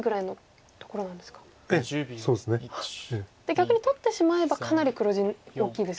逆に取ってしまえばかなり黒地大きいですもんね。